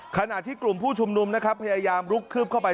ขณะที่กลุ่มผู้ชุมนุมนะครับพยายามลุกคืบเข้าไป